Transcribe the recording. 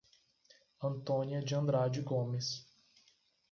Antônia de Andrade Gomes